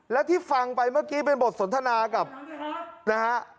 แล้วที่ฟังไปเมื่อกี้เป็นบทสนทนากับนะฮะ